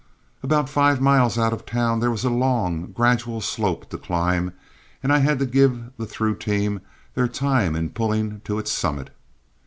About five miles out of town there was a long, gradual slope to climb, and I had to give the through team their time in pulling to its summit.